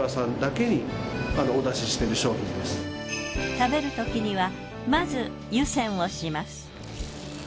食べるときにはまず湯煎をします。